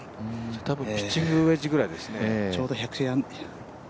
多分ピッチングウェッジぐらいですね。